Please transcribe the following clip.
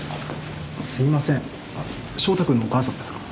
すいません祥太君のお母さんですか？